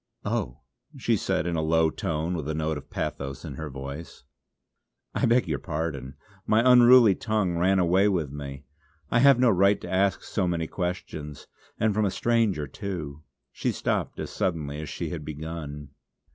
"Oh," she said in a low tone with a note of pathos in her voice, "I beg your pardon! my unruly tongue ran away with me. I have no right to ask so many questions and from a stranger too!" She stopped as suddenly as she had begun.